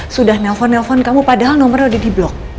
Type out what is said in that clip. sudah nelpon nelfon kamu padahal nomernya udah di blok